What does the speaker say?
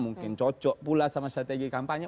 mungkin cocok pula sama strategi kampanye